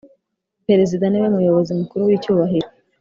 Perezida niwe muyobozi Mukuru w’icyubahiro